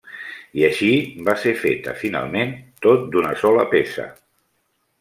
I així va ser feta finalment tot d'una sola peça.